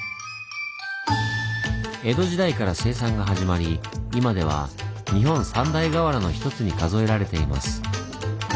江戸時代から生産が始まり今では日本三大瓦の一つに数えられています。